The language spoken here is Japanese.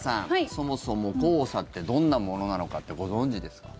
そもそも黄砂ってどんなものなのかってご存じですか？